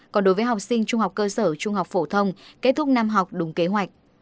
còn đối với học sinh trung học cơ sở trung học phổ thông kết thúc năm học đúng kế hoạch